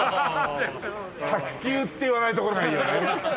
卓球って言わないところがいいよね。